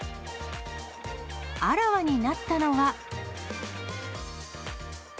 あらわになったのは。